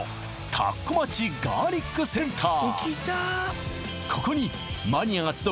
田子町ガーリックセンター